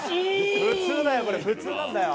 普通なんだよ。